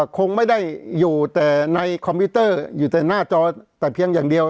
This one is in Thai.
คงไม่ได้อยู่แต่ในคอมพิวเตอร์อยู่แต่หน้าจอแต่เพียงอย่างเดียว